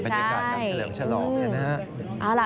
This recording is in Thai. บรรยากาศการเฉลิมฉลองเนี่ยนะฮะ